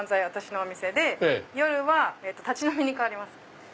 私のお店で夜は立ち飲みに代わります。